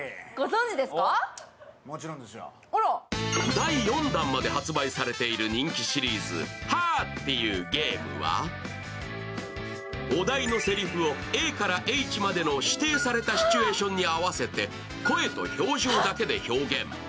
第４弾まで発売されている人気シリーズ「はぁって言うゲーム」はお題のせりふをＡからＨまでの指定されたシチュエーションに合わせて声と表情だけで表現。